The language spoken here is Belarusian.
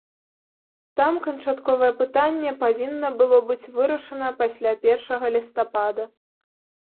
Там канчатковае пытанне павінна было быць вырашана пасля першага лістапада.